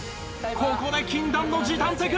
ここで禁断の時短テク！